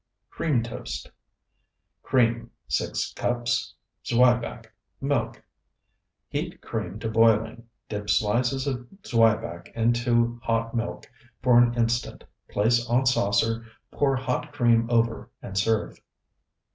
CREAM TOAST Cream, 6 cups. Zwieback. Milk. Heat cream to boiling, dip slices of zwieback into hot milk for an instant, place on saucer, pour hot cream over, and serve.